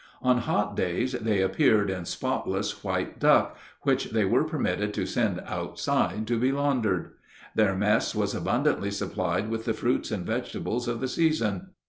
On hot days they appeared in spotless white duck, which they were permitted to send outside to be laundered. Their mess was abundantly supplied with the fruits and vegetables of the season.